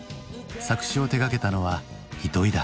作詞を手がけたのは糸井だ。